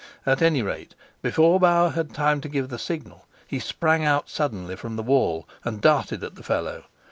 At any rate, before Bauer had time to give the signal, he sprang out suddenly from the wall and darted at the fellow.